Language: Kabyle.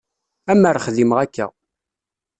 Amer xdimeɣ akka.